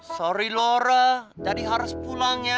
sorry lora jadi harus pulang ya